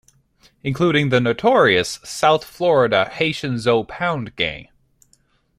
Including the notorious South Florida Haitian Zoe Pound gang.